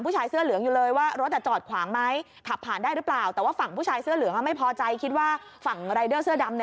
ผู้ชายเสื้อเหลืองอยู่เลยว่ารถจะจอดขวางไหม